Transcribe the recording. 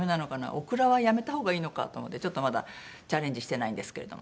オクラはやめた方がいいのかと思ってちょっとまだチャレンジしてないんですけれども。